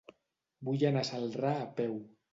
Vull anar a Celrà a peu.